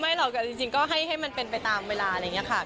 หรอกแต่จริงก็ให้มันเป็นไปตามเวลาอะไรอย่างนี้ค่ะ